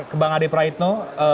ke bang ade praitno